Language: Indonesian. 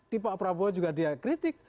di pak prabowo juga dia kritik